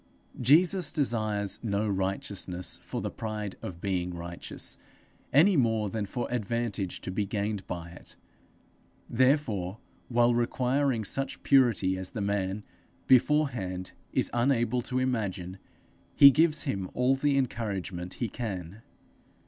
Jesus desires no righteousness for the pride of being righteous, any more than for advantage to be gained by it; therefore, while requiring such purity as the man, beforehand, is unable to imagine, he gives him all the encouragement he can.